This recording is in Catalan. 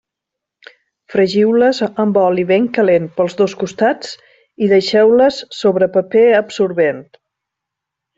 Fregiu-les amb oli ben calent pels dos costats i deixeu-les sobre paper absorbent.